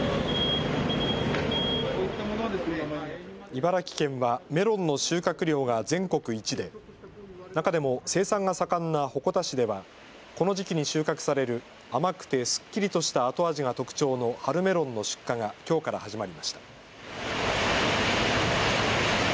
茨城県はメロンの収穫量が全国一で中でも生産が盛んな鉾田市ではこの時期に収穫される甘くてすっきりとした後味が特徴の春メロンの出荷がきょうから始まりました。